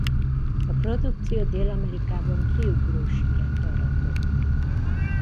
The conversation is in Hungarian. A produkció Dél-Amerikában kiugró sikert aratott.